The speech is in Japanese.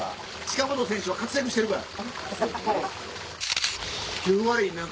近本選手は活躍してるから。